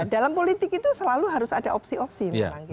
dalam politik itu selalu harus ada opsi opsi memanggil